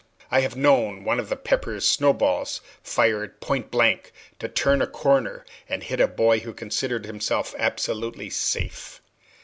I have known one of Pepper's snow balls, fired pointblank, to turn a corner and hit a boy who considered himself absolutely safe.